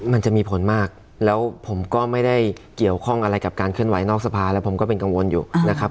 มันจะมีผลมากแล้วผมก็ไม่ได้เกี่ยวข้องอะไรกับการเคลื่อนไหนอกสภาแล้วผมก็เป็นกังวลอยู่นะครับ